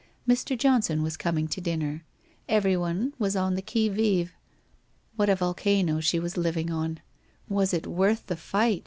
Mr. Johnson was coming to dinner. Every one was on the qui vive! What a volcano she was living on! Was it worth the fight?